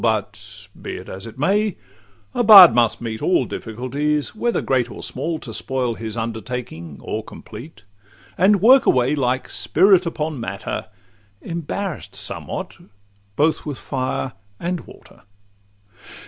But be it as it may, a bard must meet All difficulties, whether great or small, To spoil his undertaking or complete, And work away like spirit upon matter, Embarrass'd somewhat both with fire and water.